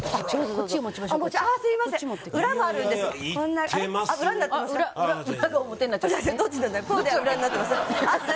こうで裏になってます？